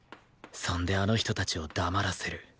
そんであの人たちを黙らせる